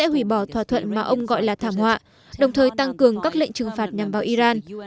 hủy bỏ thỏa thuận mà ông gọi là thảm họa đồng thời tăng cường các lệnh trừng phạt nhằm vào iran